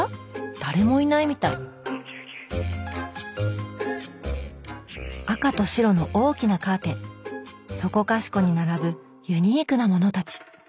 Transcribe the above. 誰もいないみたい赤と白の大きなカーテンそこかしこに並ぶユニークなものたち。